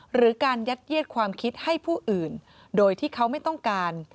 หรือการยัดเยียดความคิดให้ผู้อื่นโดยที่เขาไม่ต้องการ